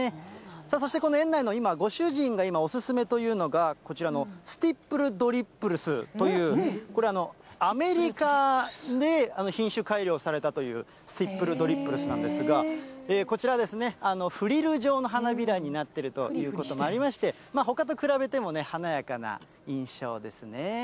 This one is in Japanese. そしてこの園内の今、ご主人が今お勧めというのは、こちらのスティップルドリップルスという、これ、アメリカで品種改良されたというスティップルドリップルスなんですが、こちら、フリル状の花びらになってるということもありまして、ほかと比べても華やかな印象ですね。